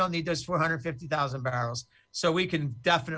kita tidak perlu empat ratus lima puluh ribu barang itu